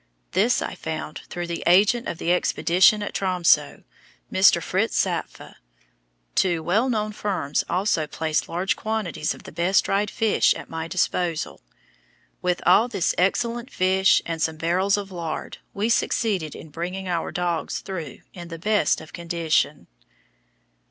This I found through the agent of the expedition at Tromsö, Mr. Fritz Zappfe. Two well known firms also placed large quantities of the best dried fish at my disposal. With all this excellent fish and some barrels of lard we succeeded in bringing our dogs through in the best of condition.